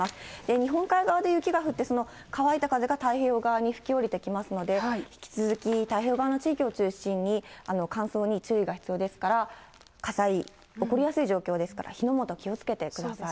日本海側で雪が降って、その乾いた風が太平洋側に吹き下りてきますので、引き続き太平洋側の地域を中心に乾燥に注意が必要ですから、火災、起こりやすい状況ですから、火の元、気をつけてください。